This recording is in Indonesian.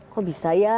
kok bisa ya